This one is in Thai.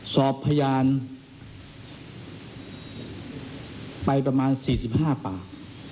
สอบพยานไปประมาณ๔๕ปาก